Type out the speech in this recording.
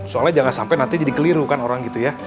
soalnya jangan sampai nanti jadi keliru kan orang gitu ya